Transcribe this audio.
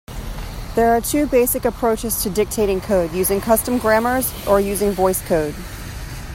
There are two basic approaches to dictating code: using custom grammars or using VoiceCode.